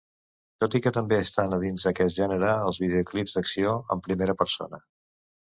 Tot i que també estan a dins d'aquest gènere els videojocs d'acció en primera persona.